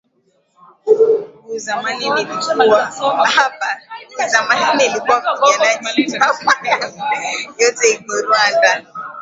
gu zamani nilikuwa mpiganaji jamaa yangu yote iko rwanda